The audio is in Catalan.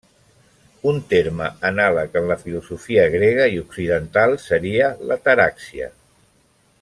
Un terme anàleg en la filosofia grega i occidental seria l'ataràxia.